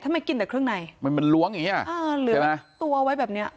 ทำไมกินแต่เครื่องในมันมันล้วงอย่างงี้อ่ะใช่ไหมตัวเอาไว้แบบเนี้ย